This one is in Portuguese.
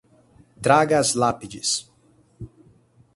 Traga as lápides